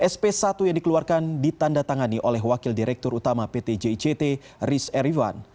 sp satu yang dikeluarkan ditanda tangani oleh wakil direktur utama pt jict riz erivan